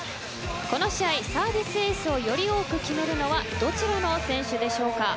この試合、サービスエースをより多く決めるのはどちらの選手でしょうか。